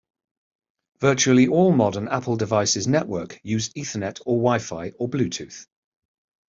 Virtually all modern Apple devices network use Ethernet or Wi-Fi or Bluetooth.